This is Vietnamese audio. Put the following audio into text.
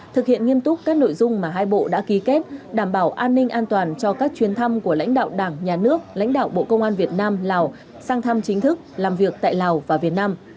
thực hiện nghiêm túc các nội dung mà hai bộ đã ký kết đảm bảo an ninh an toàn cho các chuyến thăm của lãnh đạo đảng nhà nước lãnh đạo bộ công an việt nam lào sang thăm chính thức làm việc tại lào và việt nam